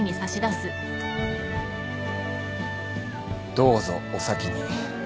どうぞお先に。